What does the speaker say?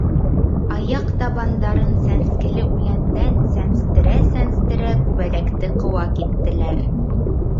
Аяҡ табандарын сәнскеле үләндән сәнстерә-сәнстерә, күбәләкте ҡыуа киттеләр.